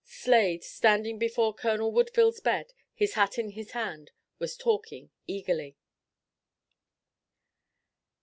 Slade, standing before Colonel Woodville's bed, his hat in his hand, was talking eagerly.